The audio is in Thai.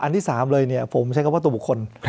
อันที่สามฉันใช้คำว่าตัวบุคคล